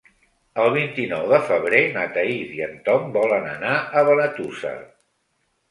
El vint-i-nou de febrer na Thaís i en Tom volen anar a Benetússer.